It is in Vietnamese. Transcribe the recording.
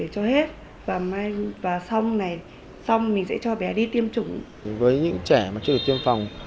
cho hết và mai và xong này xong mình sẽ cho bé đi tiêm chủng với những trẻ mà chưa được tiêm phòng